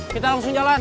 kita langsung jalan